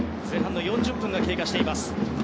前半の４０分が経過しています。